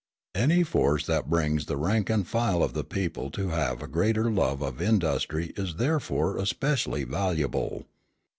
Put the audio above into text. Any force that brings the rank and file of the people to have a greater love of industry is therefore especially valuable.